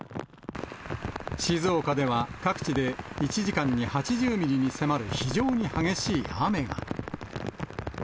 静岡では各地で、１時間に８０ミリに迫る非常に激しい雨が。